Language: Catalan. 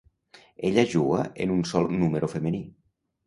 Ella juga en un sol número femení.